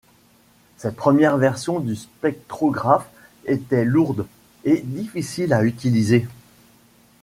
Cette première version du spectrographe était lourde et difficile à utiliser.